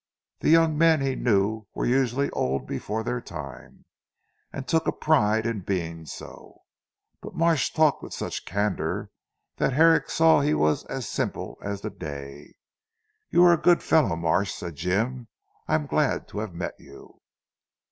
The young men he knew were usually old before their time, and took a pride in being so. But Marsh talked with such candour, that Herrick saw he was as simple as the day. "You are a good fellow Marsh," said Jim. "I am glad to have met you."